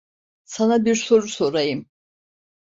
Sana bir soru sorayım.